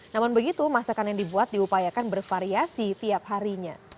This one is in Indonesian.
namun begitu masakan yang dibuat diupayakan bervariasi tiap harinya